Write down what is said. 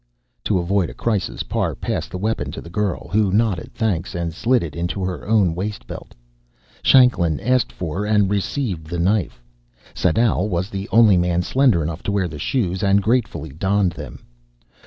To avoid a crisis, Parr passed the weapon to the girl, who nodded thanks and slid it into her own waist belt. Shanklin asked for, and received, the knife. Sadau was the only man slender enough to wear the shoes, and gratefully donned them.